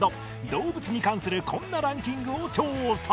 動物に関するこんなランキングを調査